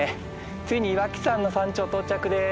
ついに岩木山の山頂到着です。